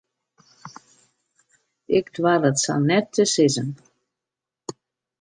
Ik doar it sa net te sizzen.